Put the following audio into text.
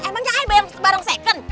emangnya i bareng second